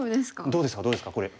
どうですかどうですかこれ。